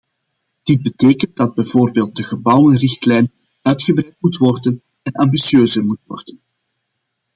Dit betekent dat bijvoorbeeld de gebouwenrichtlijn uitgebreid moet worden en ambitieuzer moet worden.